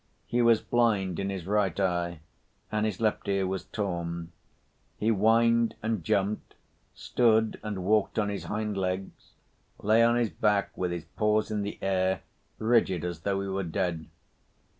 He was blind in his right eye, and his left ear was torn. He whined and jumped, stood and walked on his hind legs, lay on his back with his paws in the air, rigid as though he were dead.